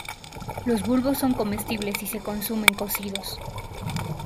Los bulbos son comestibles y se consumen cocidos.